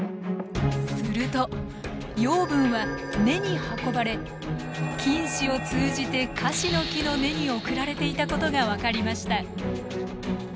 すると養分は根に運ばれ菌糸を通じてカシノキの根に送られていたことが分かりました。